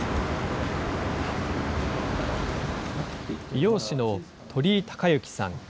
美容師の鳥居隆行さん。